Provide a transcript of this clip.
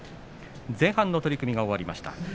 前半の取組が終わりました。